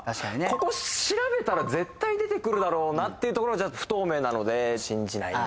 ここ調べたら絶対出てくるだろうなっていうところが不透明なので信じないに。